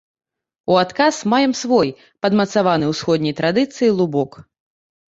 У адказ маем свой, падмацаваны усходняй традыцыяй, лубок.